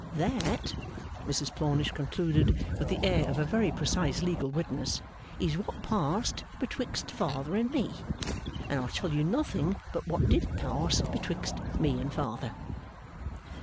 That,' Mrs Plornish concluded, with the air of a very precise legal witness, 'is what passed betwixt father and me. And I tell you nothing but what did pass betwixt me and father.